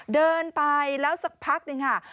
เดินไปแล้วสักพักหนึ่งค่ะ